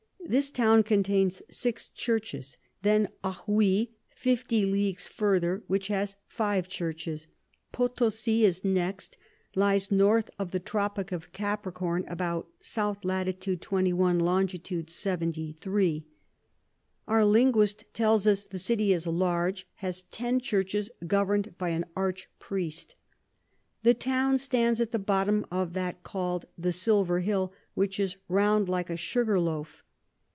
This Town contains six Churches. Then Ogui 50 Leagues further, which has five Churches. Potosi is next, lies N. of the Tropick of Capricorn about S. Lat. 21. Long. 73. Our Linguist tells us the City is large, has ten Churches govern'd by an Arch Priest. The Town stands at the bottom of that call'd the Silver Hill, which is round like a Sugar Loaf.